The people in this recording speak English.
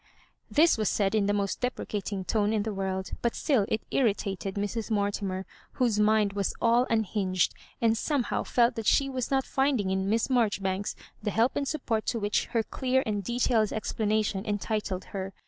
This was said in the most deprecating tone in the world, toit still it irritat ed Mrs. Mortimer, whose mind was all unhinged, and who somehow felt that she was not finding in Miss Marjoribanks the help and support to which hef clear and detailed explanation entitled her.